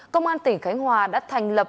công an tỉnh khánh hòa đã thành lập